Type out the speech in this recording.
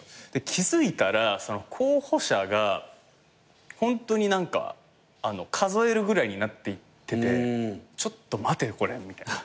気付いたら候補者がホントに何か数えるぐらいになっていっててちょっと待てよこれみたいな。